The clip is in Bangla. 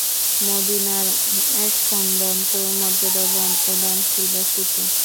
মদীনার এক সম্ভ্রান্ত মর্যাদাবান ও দানশীল ব্যক্তিত্ব।